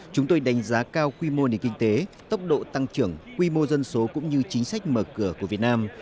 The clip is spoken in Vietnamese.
chúng tôi đánh giá cao quy mô nền kinh tế tốc độ tăng trưởng quy mô dân số cũng như chính sách mở cửa của việt nam